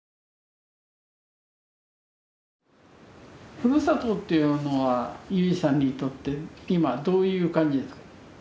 ふるさとっていうのは勇治さんにとって今どういう感じですか。